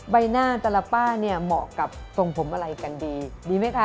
ใบหน้าแต่ละป้าเนี่ยเหมาะกับทรงผมอะไรกันดีดีไหมคะ